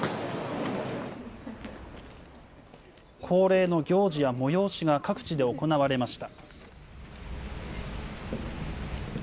恒例の行事や催しが各地で行われました。